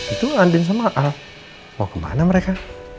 itu andien sama al mau kemana mereka